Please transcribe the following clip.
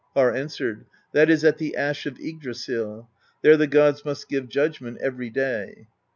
'' Harr answered: "That is at the Ash of Yggdrasill; there the gods must give judgment every day."